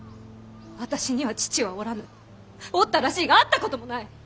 私には父はおらぬおったらしいが会ったこともない！